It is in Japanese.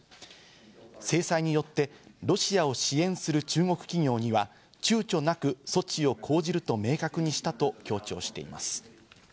制裁によってロシアを支援する中国企業には躊躇なく措置を講じると明確にしたと強調しています。